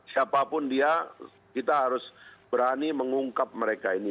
siapapun dia kita harus berani mengungkap mereka ini